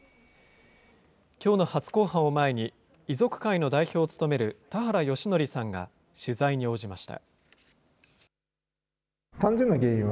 きょうの初公判を前に、遺族会の代表を務める田原義則さんが取材に応じました。